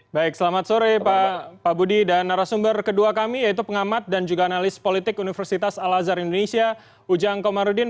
baik selamat sore pak budi dan narasumber kedua kami yaitu pengamat dan juga analis politik universitas al azhar indonesia ujang komarudin